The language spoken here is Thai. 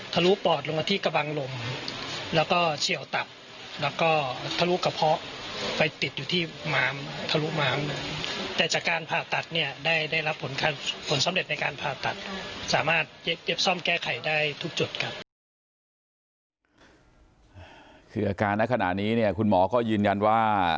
คืออาการในขณะนี้เนี่ยคุณหมอก็ยืนยันว่า